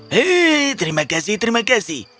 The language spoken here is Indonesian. hei terima kasih terima kasih